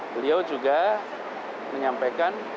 beliau juga menyampaikan